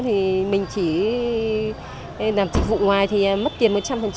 thì mình chỉ làm dịch vụ ngoài thì mất tiền một trăm linh